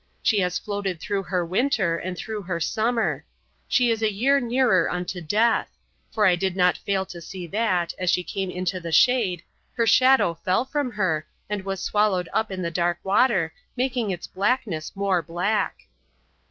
She has floated through her winter and through her summer. She is a year nearer unto Death; for I did not fail to see that, as she came into the shade, her shadow fell from her, and was swallowed up in the dark water, making its blackness more black."